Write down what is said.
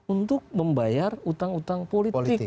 untuk membayar utang utang politik